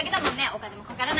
お金も掛からない。